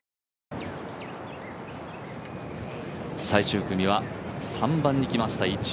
最終組は３番に来ました。